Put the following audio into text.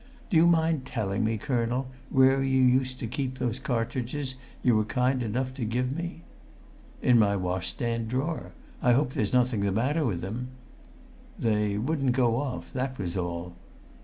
Do you mind telling me, colonel, where you used to keep those cartridges you were kind enough to give me?" "In my washstand drawer. I hope there was nothing the matter with them?" "They wouldn't go off. That was all."